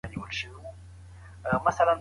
سترګې پټې کړه او ارام وکړه.